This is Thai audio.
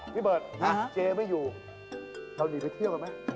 พี่เบิร์ตเจ๊ไม่อยู่เราหนีไปเที่ยวกันไหม